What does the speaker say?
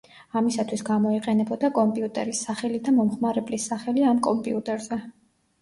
ამისათვის გამოიყენებოდა კომპიუტერის სახელი და მომხმარებლის სახელი ამ კომპიუტერზე.